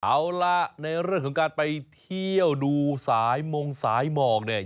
เอาล่ะในเรื่องของการไปเที่ยวดูสายมงสายหมอกเนี่ย